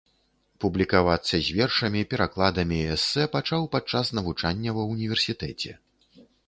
Публікавацца з вершамі, перакладамі і эсэ пачаў падчас навучання ва ўніверсітэце.